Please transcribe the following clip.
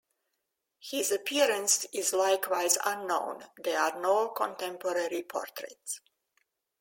His appearance is likewise unknown: there are no contemporary portraits.